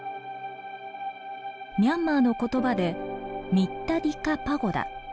ミャンマーの言葉で「ミッタディカ・パゴダ」。